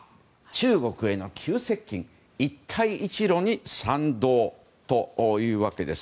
中国への急接近一帯一路に賛同というわけです。